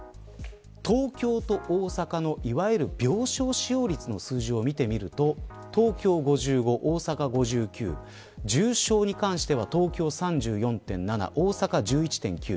東京と大阪の、いわゆる病床使用率の数字を見てみると東京５５、大阪５９重症に関しては東京３４．７大阪１１．９。